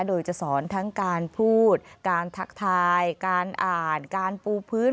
โดยจะสอนทั้งการพูดการทักทายการอ่านการปูพื้น